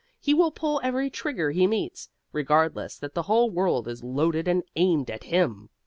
He will pull every trigger he meets, regardless that the whole world is loaded and aimed at him.